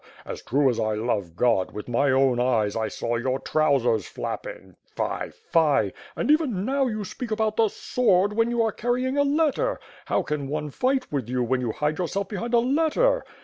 As true as I love God, with my own eyes, I saw your trousers flapping. Fie! Fie! and, even now, you speak about the sword, when you are carrying a letter. How can one fight with you when you hide yourself behind a letter?